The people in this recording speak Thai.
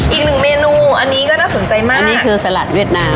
อีกหนึ่งเมนูอันนี้ก็น่าสนใจมากนี่คือสลัดเวียดนาม